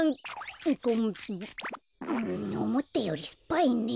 んおもったよりすっぱいね。